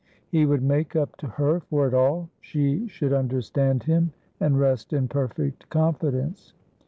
He would make up to her for it all. She should understand him, and rest in perfect confidence.